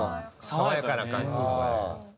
爽やかな感じですね。